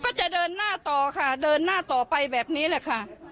ก็จะเดินหน้าต่อค่ะเดินหน้าต่อไปแบบนี้แหละค่ะ